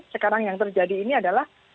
sekarang yang terjadi ini adalah